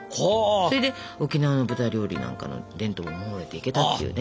それで沖縄の豚料理なんかの伝統を守れていけたっていうね。